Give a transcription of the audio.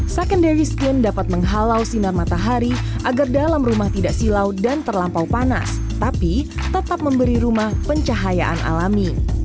secondary skin dapat menghalau sinar matahari agar dalam rumah tidak silau dan terlampau panas tapi tetap memberi rumah pencahayaan alami